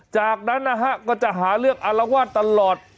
จากนั้นนะฮะก็จะหาเรื่องอารวาสตลอด